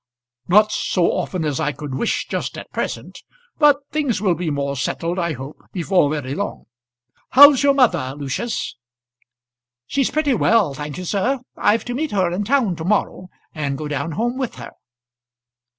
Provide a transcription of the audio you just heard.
"Not so often as I could wish just at present; but things will be more settled, I hope, before very long. How's your mother, Lucius?" "She's pretty well, thank you, sir. I've to meet her in town to morrow, and go down home with her."